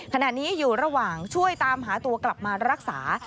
ขณะนี้อยู่ระหว่างช่วยตามหาตัวกลับมารักษา